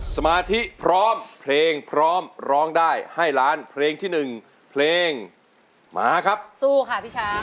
สมาธิพร้อมเพลงพร้อมร้องได้ให้ล้านเพลงที่หนึ่งเพลงมาครับสู้ค่ะพี่ช้าง